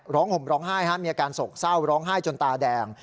ห่มร้องไห้มีอาการโศกเศร้าร้องไห้จนตาแดง